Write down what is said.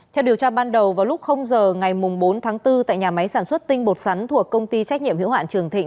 theo điều tra ban đầu vào lúc giờ ngày bốn tháng bốn tại nhà máy sản xuất tinh bột sắn thuộc công ty trách nhiệm hiệu hoạn trường thịnh